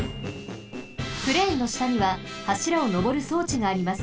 クレーンのしたにははしらをのぼるそうちがあります。